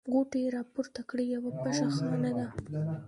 غوټې يې راپورته کړې: یوه پشه خانه ده.